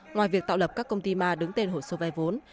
ngoài việc tạo lập các công ty ma đứng tên hồ sơ vay vốn